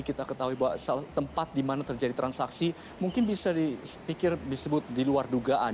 kita ketahui bahwa tempat di mana terjadi transaksi mungkin bisa dipikir disebut di luar dugaan